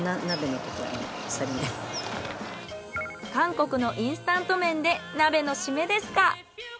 韓国のインスタント麺で鍋のシメですか。